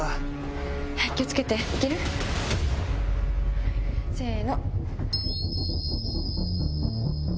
気を付けていける？せの！